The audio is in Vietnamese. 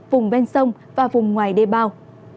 vùng ven sông và vùng ngoài đê bao